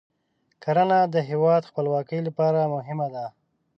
کرنه د هیواد د خپلواکۍ لپاره مهمه ده.